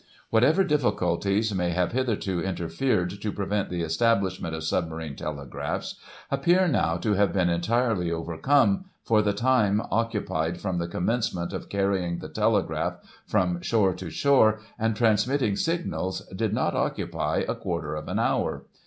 Whatever difficulties may have hitherto interfered to prevent the establishment of submarine telegraphs, appear, now, to have been entirely overcome, for the time occupied from the commencement of carrying the telegraph from shore to shore, and transmitting signals, did not occupy a quarter of an hour.